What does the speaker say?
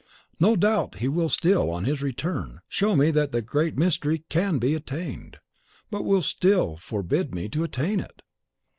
No doubt he will still, on his return, show me that the great mystery CAN be attained; but will still forbid ME to attain it.